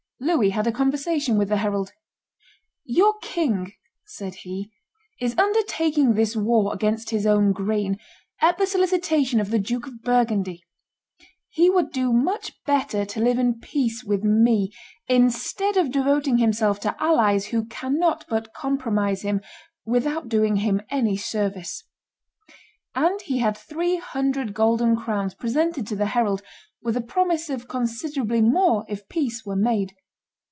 Louis had a conversation with the herald. "Your king," said he, "is undertaking this war against his own grain at the solicitation of the Duke of Burgundy; he would do much better to live in peace with me, instead of devoting himself to allies who cannot but compromise him without doing him any service;" and he had three hundred golden crowns presented to the herald, with a promise of considerably more if peace were made.